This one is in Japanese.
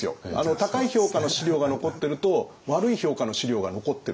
高い評価の史料が残ってると悪い評価の史料が残ってる。